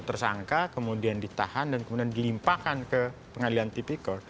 tersangka kemudian ditahan dan kemudian dilimpahkan ke pengadilan tipikor